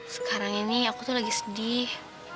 sekarang ini aku tuh lagi sedih